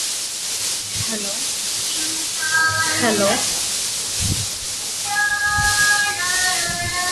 "The Phoenix" felt that "Head Music" isn't much more than an attention-grabbing, entertaining tease.